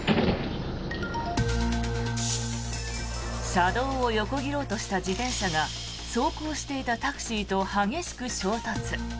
車道を横切ろうとした自転車が走行していたタクシーと激しく衝突。